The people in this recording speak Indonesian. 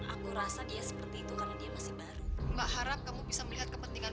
aku rasa dia seperti itu karena dia masih baru mbak harap kamu bisa melihat kepentingan